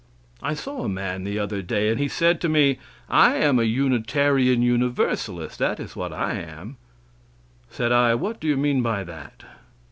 I saw a man the other day, and he said to me, "I am a Unitarian Universalist; that is what I am." Said I, "What do you mean by that?"